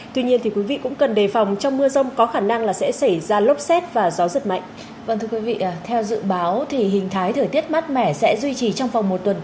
tuy nhiên thì quý vị cũng cần đề phòng trong mưa rông có khả năng là sẽ xảy ra lốc xét và gió giật mạnh